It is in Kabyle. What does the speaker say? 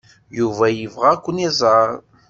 Yuba yebɣa ad ken-iẓer.